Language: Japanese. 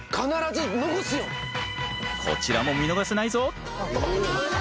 こちらも見逃せないぞ。